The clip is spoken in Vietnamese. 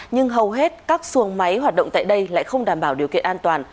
nhưng hầu hết các xuồng máy hoạt động tại đây lại không đảm bảo điều kiện an toàn